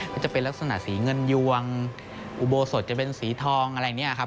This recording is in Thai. ก็จะเป็นลักษณะสีเงินยวงอุโบสถจะเป็นสีทองอะไรอย่างนี้ครับ